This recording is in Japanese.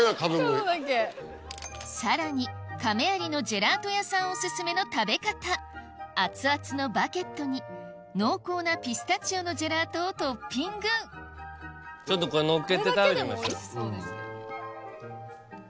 さらに亀有のジェラート屋さんオススメの食べ方熱々のバゲットに濃厚なピスタチオのジェラートをトッピングちょっとこれのっけて食べてみましょう。